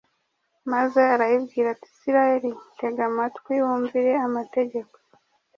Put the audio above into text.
maze arayibwira ati «israheli, tega amatwi wumvire amategeko